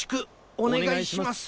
おねがいします。